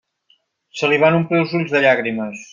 Se li van omplir els ulls de llàgrimes.